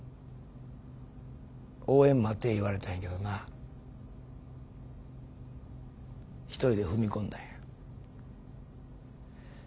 応援待て言われたんやけどな一人で踏み込んだんや。